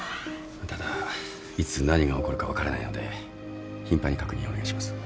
ただいつ何が起こるか分からないので頻繁に確認お願いします。